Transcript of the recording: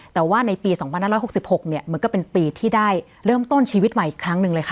แต่ว่าในปีสองพันห้าร้อยหกสิบหกเนี่ยมันก็เป็นปีที่ได้เริ่มต้นชีวิตใหม่อีกครั้งหนึ่งเลยค่ะ